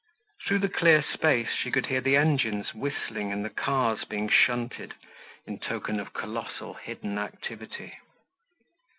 Through the clear space she could hear the engines whistling and the cars being shunted, in token of colossal hidden activity.